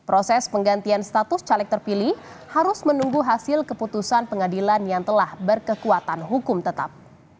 proses penggantian status caleg terpilih harus menunggu hasil keputusan pengadilan yang telah berkekuatan hukum tetap